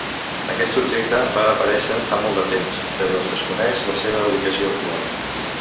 Aquest objecte va aparèixer fa molt de temps, però es desconeix la seva ubicació actual.